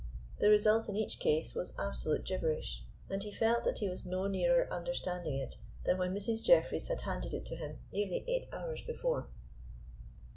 The result in each case was absolute gibberish, and he felt that he was no nearer understanding it than when Mrs. Jeffrey's had handed it to him nearly eight hours before.